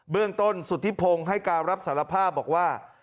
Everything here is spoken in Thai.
เรื่องต้นสุธิพงศ์ให้การรับสารภาพบอกว่า